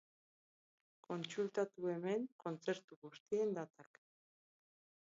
Kontsultatu hemen kontzertu guztien datak.